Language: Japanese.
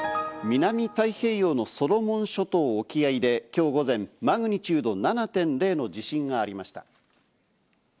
南太平洋のソロモン諸島沖合で今日午前、マグニチュード７．０の地震がありました。